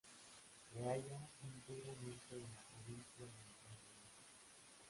Se halla íntegramente en la provincia de Entre Ríos.